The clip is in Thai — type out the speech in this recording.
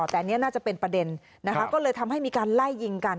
แต่อันนี้น่าจะเป็นประเด็นนะคะก็เลยทำให้มีการไล่ยิงกัน